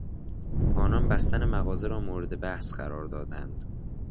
آنان بستن مغازه را مورد بحث قرار دادند.